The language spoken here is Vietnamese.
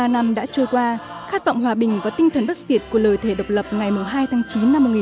bảy mươi ba năm đã trôi qua khát vọng hòa bình và tinh thần bất kiệt của lời thề độc lập ngày hai tháng chín năm nay